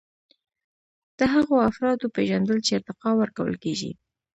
د هغو افرادو پیژندل چې ارتقا ورکول کیږي.